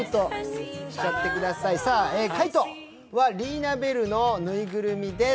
海音はリーナ・ベルのぬいぐるみです。